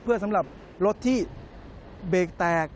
เพื่อสำหรับรถที่เบรกแตก